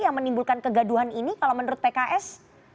yang menimbulkan kegaduhan ini kalau menurut pks